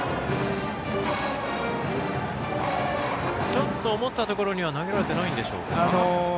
ちょっと思ったところには投げられてないでしょうか。